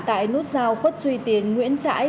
tại nút giao khuất duy tiến nguyễn trãi